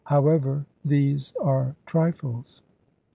However, these are trifles.